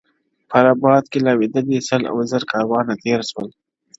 په ربات کي لا ویده دي سل او زر کاروانه تېر سول-